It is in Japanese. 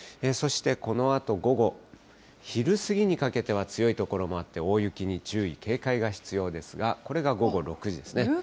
そしてこのあと午後、昼過ぎにかけては強い所もあって、大雪に注意、警戒が必要ですが、これが午後６時ですね。